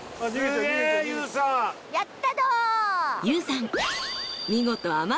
やったど！